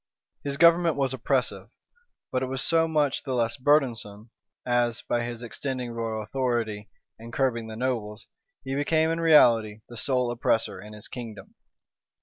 His government was oppressive; but it was so much the less burdensome, as, by his extending royal authority, and curbing the nobles, he became in reality the sole oppressor in his kingdom.